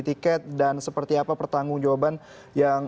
yang beli tiket dan seperti apa pertanggung jawaban yang